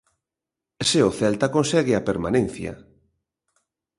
Se o Celta consegue a permanencia.